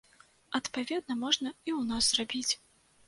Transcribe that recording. Адпаведна можна і ў нас зрабіць.